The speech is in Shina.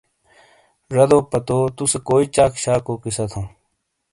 زادو پتو توسے کوئی چاک شاکو قصہ تھوں ۔